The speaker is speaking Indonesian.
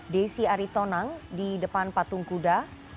desi aritonang di depan patung kuda